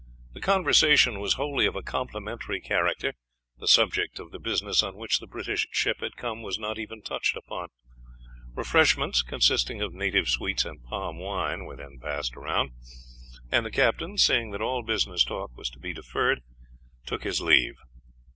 The conversation was wholly of a complimentary character; the subject of the business on which the British ship had come was not even touched upon; refreshments, consisting of native sweets and palm wine, were then passed round, and the captain, seeing that all business talk was to be deferred, took his leave.